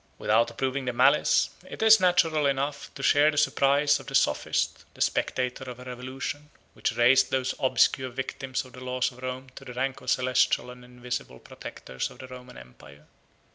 68 Without approving the malice, it is natural enough to share the surprise of the sophist, the spectator of a revolution, which raised those obscure victims of the laws of Rome to the rank of celestial and invisible protectors of the Roman empire.